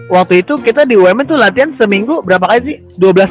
waktu itu kita di umn itu latihan seminggu berapa kali sih